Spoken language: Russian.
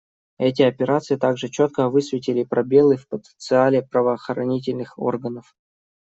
Эти операции также четко высветили пробелы в потенциале правоохранительных органов.